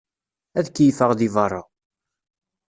Ad keyfeɣ di berra.